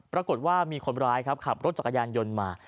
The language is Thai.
ปรากฏว่ามีคนร้ายครับขับรถจักรยานยนต์มา